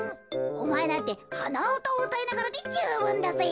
おまえなんてはなうたをうたいながらでじゅうぶんだぜ。